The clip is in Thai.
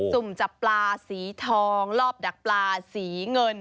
สุ่มจับปลาสีทองรอบดักปลาสีเงิน